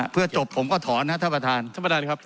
เพื่อจบผมก็ถอนนะครับท่านประธานท่านประธานครับ